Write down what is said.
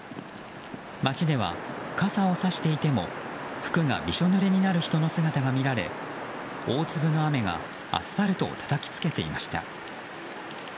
街では傘をさしていても服がびしょぬれになる人の姿が見られ大粒の雨がアスファルトをたたきつけていました。